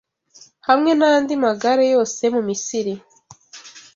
hamwe n’andi magare yose yo mu Misiri